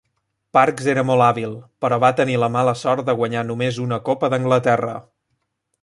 Parkes era molt hàbil, però va tenir la mala sort de guanyar només una copa d'Anglaterra.